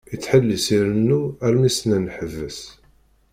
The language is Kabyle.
Yettḥellis irennu, armi s-nnan ḥbes.